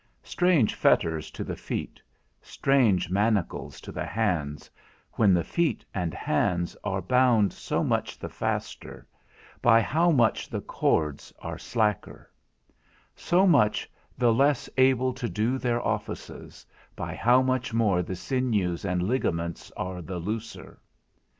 Strange fetters to the feet, strange manacles to the hands, when the feet and hands are bound so much the faster, by how much the cords are slacker; so much the less able to do their offices, by how much more the sinews and ligaments are the looser.